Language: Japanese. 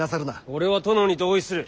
俺は殿に同意する。